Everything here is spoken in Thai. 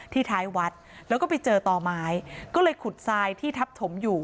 ท้ายวัดแล้วก็ไปเจอต่อไม้ก็เลยขุดทรายที่ทับถมอยู่